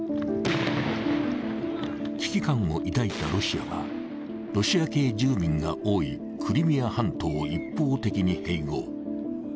危機感を抱いたロシアはロシア系住民が多いクリミア半島を一方的に併合。